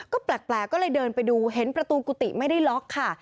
ก็แปลกก็เลยเดินไปดูเห็นประตูกุฏิไม่ได้ล็อกค่ะ